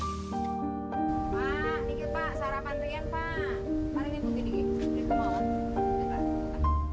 mari dimukul dikit